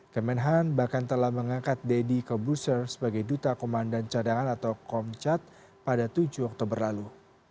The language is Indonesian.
kemenhan bahkan telah mengangkat deddy kobuser sebagai duta komandan cadangan atau komcat pada tujuh oktober lalu